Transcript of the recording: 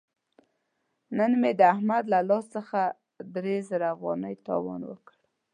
نن مې د احمد له لاس څخه درې زره افغانۍ تاوان وکړ.